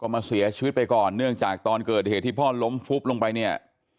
มาเสียชีวิตไปก่อนเนื่องจากตอนเกิดเหตุที่พ่อล้มฟุบลงไปเนี่ย